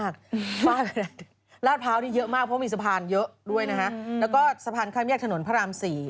ตรงข้างหน้าไทยราชดีเลยนะฮะ